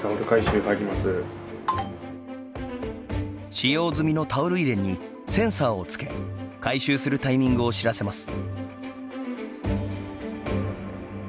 使用済みのタオル入れにセンサーをつけ回収するタイミングを知らせます。